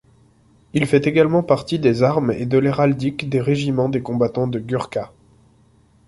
Il fait également partie des armes et de l'héraldique des régiments des combattants Gurkhas.